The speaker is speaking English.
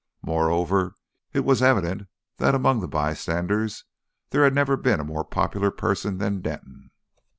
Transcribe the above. Moreover, it was evident that among the bystanders there had never been a more popular person than Denton.